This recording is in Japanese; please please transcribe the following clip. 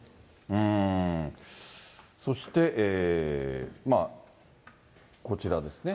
そしてこちらですね。